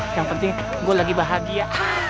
yang penting gue lagi bahagia